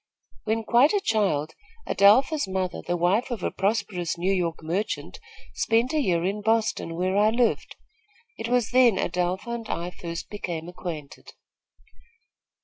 When quite a child, Adelpha's mother, the wife of a prosperous New York merchant, spent a year in Boston where I lived. It was then Adelpha and I first became acquainted."